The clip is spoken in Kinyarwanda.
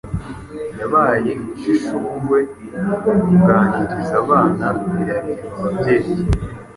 yabaye igishushungwe. Kuganiriza abana birareba ababyeyi,